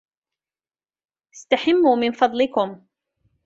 استحموا من فضلكم.